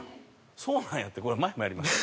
「そうなんや」ってこれ前もやりました。